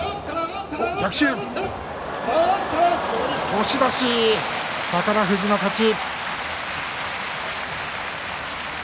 押し出し、宝富士の勝ち。